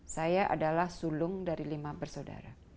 saya adalah sulung dari lima bersaudara